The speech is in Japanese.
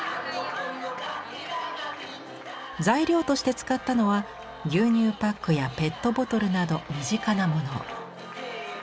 材料として使ったのは牛乳パックやペットボトルなど身近なもの。